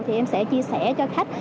thì em sẽ chia sẻ cho khách